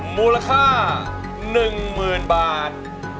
มูลค่าหนึ่งหมื่นบาท